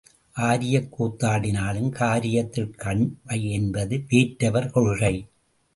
ஆரியக் கூத்தாடினாலும் காரியத்தில் கண் வை என்பது வேற்றவர் கொள்கை.